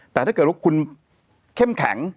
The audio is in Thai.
แต่ถ้าเกิดว่าคุณเข้มแข็ง